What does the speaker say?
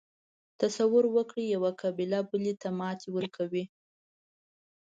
تصور وکړئ یوه قبیله بلې ته ماتې ورکوي.